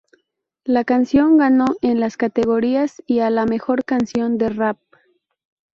La canción ganó el en las categorías y a la Mejor canción de rap.